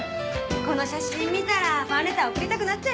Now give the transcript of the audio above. この写真見たらファンレター送りたくなっちゃいますよね。